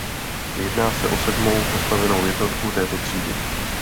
Jedná se o sedmou postavenou jednotku této třídy.